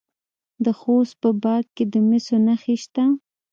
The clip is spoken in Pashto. د خوست په باک کې د مسو نښې شته.